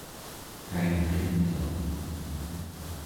kainritua